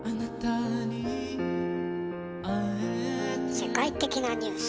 「世界的なニュース」。